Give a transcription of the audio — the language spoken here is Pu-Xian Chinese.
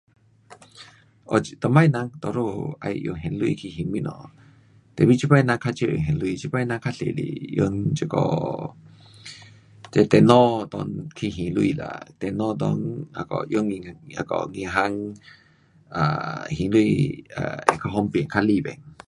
以前人较多要用现钱去还东西，Tapi 这次人较少用现钱，这次人较多是用这个电，电脑内去还钱啦，电脑内那个用那个银行 um 还钱 um 较方便，较力便。